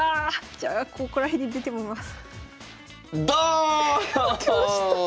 じゃあここら辺に出てみます。